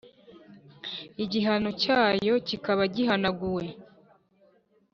igihano cyayo kikaba gihanaguwe ;